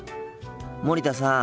森田さん。